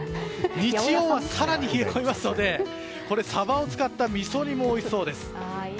日曜は更に冷え込みますのでサバを使ったみそ煮もおいしそうです。